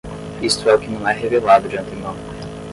Isto é o que não é revelado de antemão.